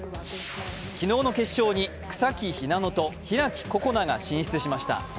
昨日の決勝に草木ひなのと開心那が進出しました。